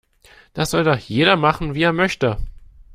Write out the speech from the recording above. Das soll doch jeder machen, wie er möchte.